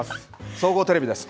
総合テレビです。